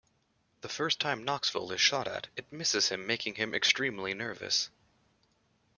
The first time Knoxville is shot at, it misses him making him extremely nervous.